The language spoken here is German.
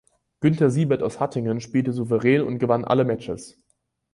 Günter Siebert aus Hattingen spielte souverän und gewann alle Matches.